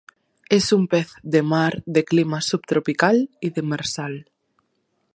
Es un pez de mar de clima subtropical y demersal.